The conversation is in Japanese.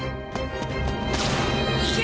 いけ！